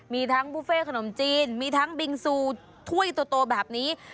มีทั้งบุฟเฟ่ขนมจีนมีทั้งบิงซูถ้วยโตแบบนี้